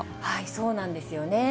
そうなんですよね。